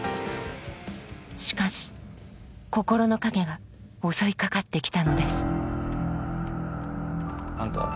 しかし心の影が襲いかかってきたのですあんた